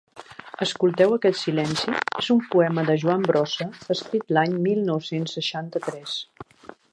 «Escolteu aquest silenci» és un poema de Joan Brossa escrit l'any mil nou-cents seixanta-tres.